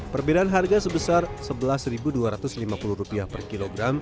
perbedaan harga sebesar rp sebelas dua ratus lima puluh per kilogram